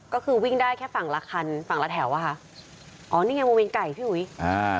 ก็คือวิ่งได้แค่ฝั่งละคันฝั่งละแถวอะค่ะอ๋อนี่ไงวงเวียนไก่พี่หุยอ่า